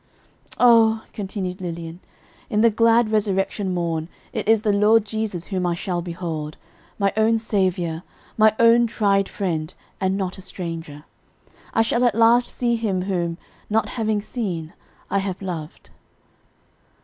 "Oh," continued Lilian, "in the glad resurrection morn, it is the Lord Jesus whom I shall behold my own Saviour, my own tried friend, and 'not a stranger;' I shall at last see Him whom, not having seen, I have loved."